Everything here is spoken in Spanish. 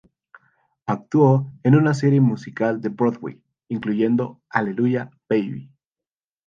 Actuó en una serie musical de Broadway, incluyendo "Hallelujah, Baby!